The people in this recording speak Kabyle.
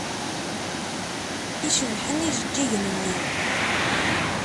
I cebḥen ijeǧǧigen-nni!